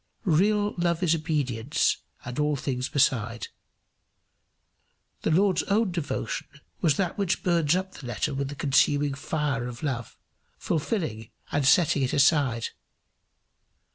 Real love is obedience and all things beside. The Lord's own devotion was that which burns up the letter with the consuming fire of love, fulfilling and setting it aside.